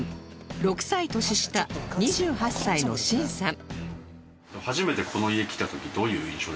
６歳年下２８歳のシンさん